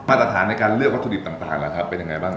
ตรฐานในการเลือกวัตถุดิบต่างล่ะครับเป็นยังไงบ้าง